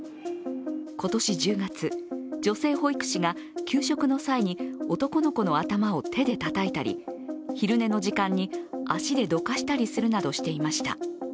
今年１０月、女性保育士が給食の際に男の子の頭を手でたたいたり昼寝の時間に足でどかしたりするなどしていました。